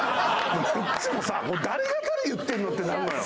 こっちもさ誰がどれ言ってるのってなるのよ。